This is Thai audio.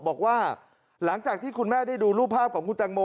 บอกว่าหลังจากที่คุณแม่ได้ดูรูปภาพของคุณแตงโม